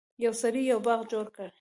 یو سړي یو باغ جوړ کړ.